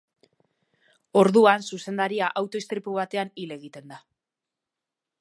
Orduan zuzendaria auto-istripu batean hil egiten da.